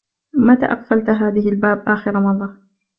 متى أقفلت هذه الباب آخر مرة ؟